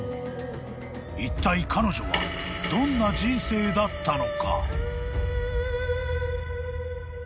［いったい彼女はどんな人生だったのか？］